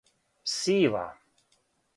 Сива